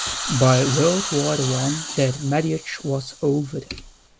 By World War One their marriage was over.